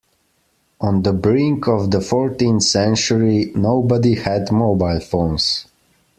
On the brink of the fourteenth century, nobody had mobile phones.